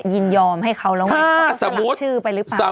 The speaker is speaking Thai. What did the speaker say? ยินยอมให้เขาแล้วไงว่าสลักชื่อไปหรือเปล่า